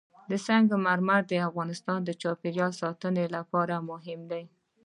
سنگ مرمر د افغانستان د چاپیریال ساتنې لپاره مهم دي.